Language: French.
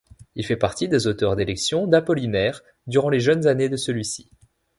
Il fait partie des auteurs d’élection d’Apollinaire durant les jeunes années de celui-ci.